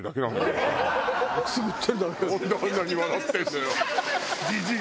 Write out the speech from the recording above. なんであんなに笑ってんのよ。